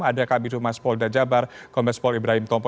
ada kabir rumahs paul dajabar komens paul ibrahim tompo